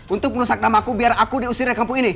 untuk merusak nama aku biar aku diusirnya kampung ini